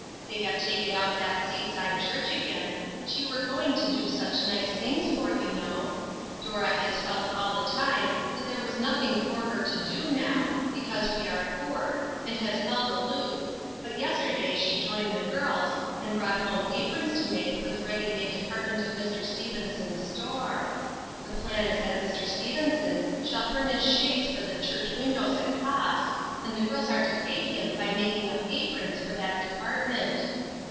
They have taken up that seaside church again which you were going to do such nice tilings for, you know. Dora has felt all the time that there was nothing for her to do now, be cause we are poor, and has held aloof, but yesterday she joined the girls, and brought home aprons to make for the ready made department of Mr. Stevenson's store. The plan is that Mr. Stevenson shall furnish shades for the church windows at cost, and the girls are to pay him by making up aprons for that department.